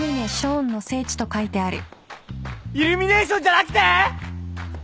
イルミネーションじゃなくて！？